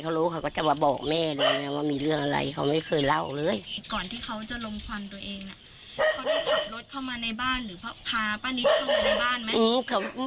เขาได้ขับรถเข้ามาในบ้านหรือพาป้านิดเข้ามาในบ้านไหม